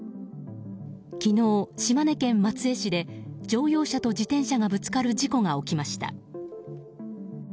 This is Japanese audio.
昨日、島根県松江市で乗用車と自転車がぶつかる事故が起きました。